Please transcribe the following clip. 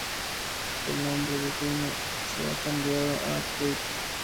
El nombre de "Genie" se ha cambiado a "Katie".